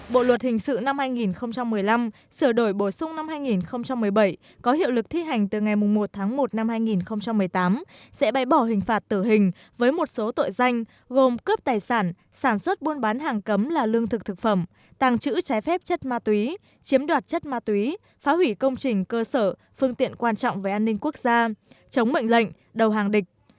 bộ luật hình sự năm hai nghìn một mươi năm sửa đổi bổ sung năm hai nghìn một mươi bảy có hiệu lực thi hành từ ngày một tháng một năm hai nghìn một mươi tám sẽ bãi bỏ hình phạt tử hình với một số tội danh gồm cướp tài sản sản xuất buôn bán hàng cấm là lương thực thực phẩm tàng trữ trái phép chất ma túy chiếm đoạt chất ma túy phá hủy công trình cơ sở phương tiện quan trọng về an ninh quốc gia chống bệnh lệnh đầu hàng địch